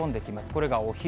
これがお昼。